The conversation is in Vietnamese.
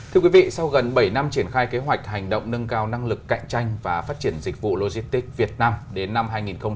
thưa quý vị sau gần bảy năm triển khai kế hoạch hành động nâng cao năng lực cạnh tranh và phát triển dịch vụ logistics việt nam đến năm hai nghìn ba mươi